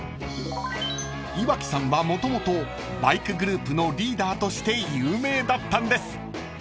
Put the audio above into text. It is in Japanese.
［岩城さんはもともとバイクグループのリーダーとして有名だったんです］